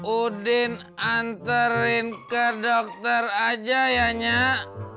udin anterin ke dokter aja ya nyak